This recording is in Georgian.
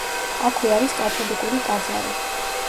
აქვე არის კათოლიკური ტაძარი.